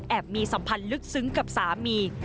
มีสัมพันธ์ลึกซึ้งกับสามี